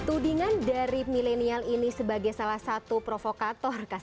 tudingan dari milenial ini sebagai salah satu provokator